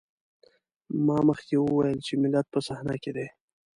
ما مخکې وويل چې ملت په صحنه کې دی.